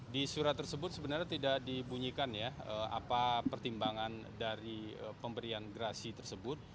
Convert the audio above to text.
di surat tersebut sebenarnya tidak dibunyikan ya apa pertimbangan dari pemberian gerasi tersebut